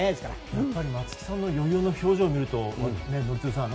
やっぱり松木さんの余裕の表情を見ると、宜嗣さん。